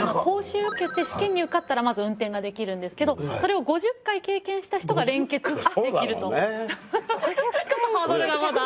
講習受けて試験に受かったらまず運転ができるんですけどそれを５０回経験した人が連結できると。